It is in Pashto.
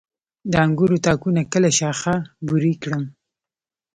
د انګورو تاکونه کله شاخه بري کړم؟